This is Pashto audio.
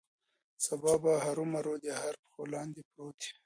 سبا به هرومرو د هغه تر پښو لاندې پروت یې.